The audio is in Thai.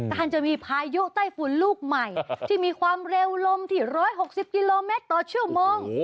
การจะมีพายุไต้ฝุ่นลูกใหม่ที่มีความเร็วลมที่๑๖๐กิโลเมตรต่อชั่วโมง